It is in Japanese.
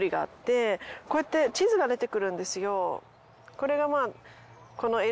こうやって地図が出てくるんですよ。